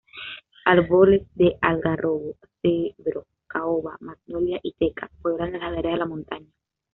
Árboles de algarrobo, cedro, caoba, magnolia y teca pueblan las laderas de las montañas.